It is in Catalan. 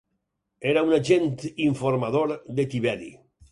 Era un agent informador de Tiberi.